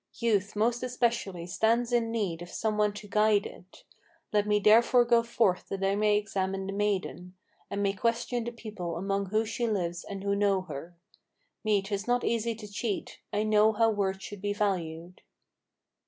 Youth most especially stands in need of some one to guide it. Let me therefore go forth that I may examine the maiden, And may question the people among whom she lives and who know her. Me 'tis not easy to cheat: I know how words should be valued."